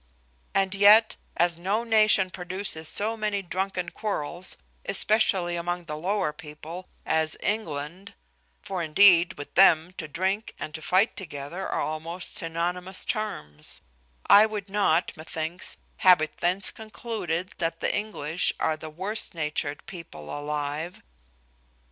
And yet as no nation produces so many drunken quarrels, especially among the lower people, as England (for indeed, with them, to drink and to fight together are almost synonymous terms), I would not, methinks, have it thence concluded, that the English are the worst natured people alive.